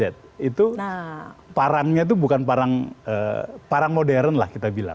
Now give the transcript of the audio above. itu parangnya itu bukan parang modern lah kita bilang